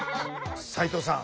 齋藤さん